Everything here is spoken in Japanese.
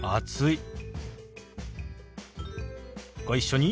ご一緒に。